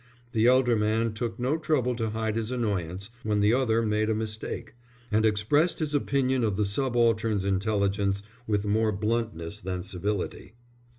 The elder man took no trouble to hide his annoyance when the other made a mistake, and expressed his opinion of the subaltern's intelligence with more bluntness than civility.